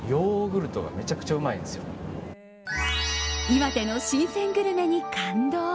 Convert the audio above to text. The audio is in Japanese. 岩手の新鮮グルメに感動。